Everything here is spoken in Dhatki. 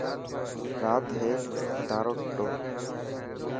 رات هيڪ تارو ٽٽو.